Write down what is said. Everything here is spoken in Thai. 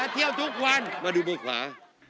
เที่ยวทุกวันมาดูมือขวา